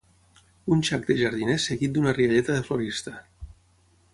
Un xac de jardiner seguit d'una rialleta de florista.